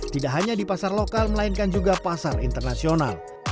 tidak hanya di pasar lokal melainkan juga pasar internasional